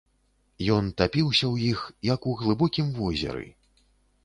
Ён тапіўся ў іх, як у глыбокім возеры.